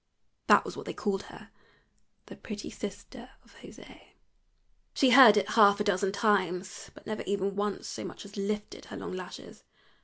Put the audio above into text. That was what they called her "the pretty sister of José." She heard it half a dozen times, but never once even so much as lifted her long lashes.